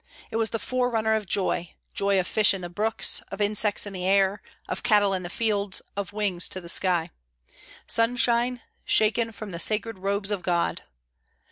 It was the forerunner of joy; joy of fish in the brooks, of insects in the air, of cattle in the fields, of wings to the sky. Sunshine, shaken from the sacred robes of God!